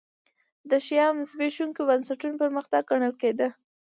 د شیام زبېښونکي بنسټونه پرمختګ ګڼل کېده.